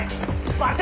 待て！